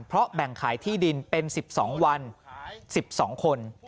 เพราะแบ่งขายที่ดินเป็น๑๒วัน๑๒คน